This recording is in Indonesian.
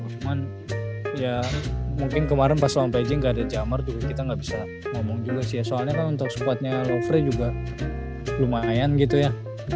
cuman ya mungkin kemarin pas lawan pj ga ada jamar juga kita ga bisa ngomong juga sih ya soalnya kan untuk score nya lufre juga lumayan gitu ya